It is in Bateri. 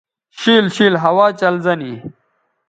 شِیل شِیل ہوا چلزہ نی